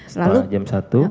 setelah jam satu